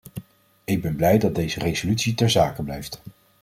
Ik ben blij dat deze resolutie ter zake blijft.